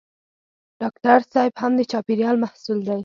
ډاکټر صېب هم د چاپېریال محصول دی.